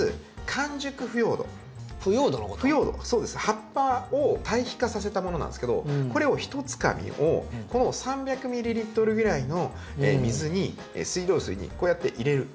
葉っぱを堆肥化させたものなんですけどこれをひとつかみをこの３００ｍＬぐらいの水に水道水にこうやって入れる。